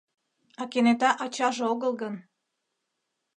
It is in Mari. А кенета ачаже огыл гын?